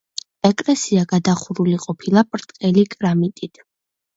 ეკლესია გადახურული ყოფილა ბრტყელი კრამიტით.